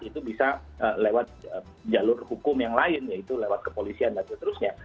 itu bisa lewat jalur hukum yang lain yaitu lewat kepolisian dan seterusnya